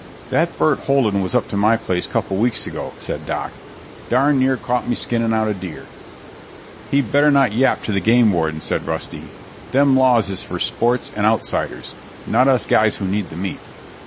"That Burt Holden was up to my place couple weeks ago," said Doc. "Darn near caught me skinning out a deer." "He better not yap to the game warden," said Rusty. "Them laws is for sports and Outsiders, not us guys who need the meat."